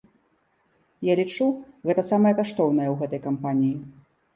Я лічу, гэта самае каштоўнае ў гэтай кампаніі.